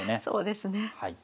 そうですね。